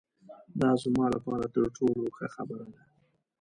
دا زما له پاره تر ټولو ښه خبره ده.